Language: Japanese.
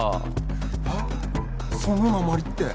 あっそのなまりって。